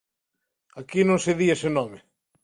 Aquí non se di ese nome.